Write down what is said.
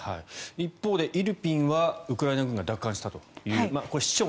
一方で、イルピンはウクライナ軍が奪還したという。